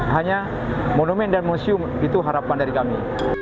hanya monumen dan museum itu harapan dari kami